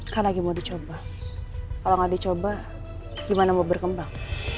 kan lagi mau dicoba kalau nggak dicoba gimana mau berkembang